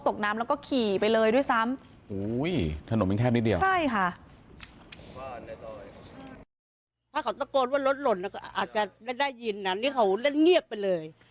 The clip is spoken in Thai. ถ้าเขาตะโกนว่ารถหล่นแล้วก็อาจจะได้ยินนั้นนี่เขาเล่นเงียบไปเลย